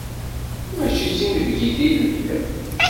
Mačči d tinebgit i lliɣ.